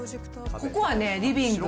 ここはね、リビング。